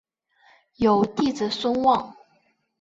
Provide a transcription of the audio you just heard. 有弟子孙望。